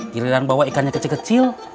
giliran bawah ikannya kecil kecil